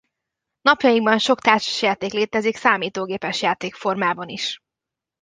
Napjainkban sok társasjáték létezik számítógépes játék formában is.